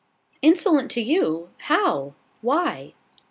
"Insolent to you! How? Why?"